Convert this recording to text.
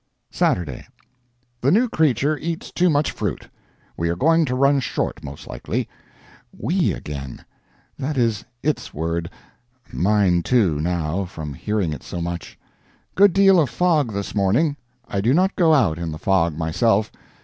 SATURDAY. The new creature eats too much fruit. We are going to run short, most likely. "We" again that is its word; mine, too, now, from hearing it so much. Good deal of fog this morning. I do not go out in the fog myself.